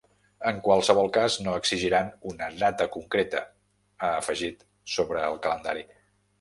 En qualsevol cas, no exigiran ‘una data concreta’, ha afegit sobre el calendari.